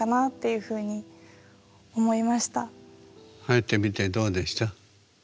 入ってみてどうでした？